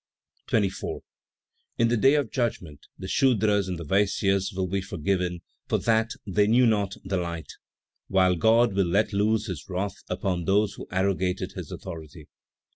24. "In the day of judgment the Sudras and the Vaisyas will be forgiven for that they knew not the light, while God will let loose his wrath upon those who arrogated his authority."